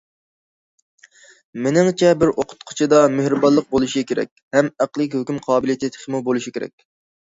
مېنىڭچە، بىر ئوقۇتقۇچىدا مېھرىبانلىق بولۇشى كېرەك ھەم ئەقلىي ھۆكۈم قابىلىيىتى تېخىمۇ بولۇشى كېرەك.